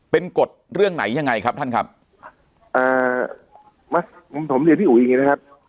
เป็นกฎเรื่องไหนยังไงครับท่านครับเอ่อผมเรียนที่อุ้ยแบบนี้นะครับ